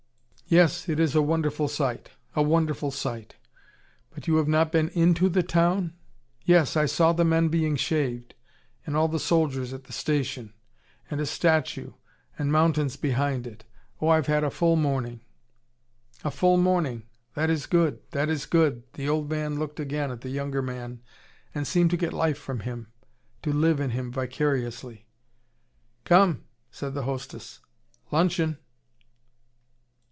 "Yes, it is a wonderful sight a wonderful sight But you have not been INTO the town?" "Yes. I saw the men being shaved, and all the soldiers at the station: and a statue, and mountains behind it. Oh, I've had a full morning." "A full morning! That is good, that is good!" The old man looked again at the younger man, and seemed to get life from him, to live in him vicariously. "Come," said the hostess. "Luncheon."